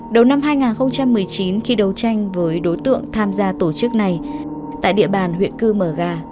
đầu năm hai nghìn một mươi chín khi đấu tranh với đối tượng tham gia tổ chức này tại địa bàn huyện cư mở gà